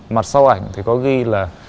mặt sau ảnh có ghi là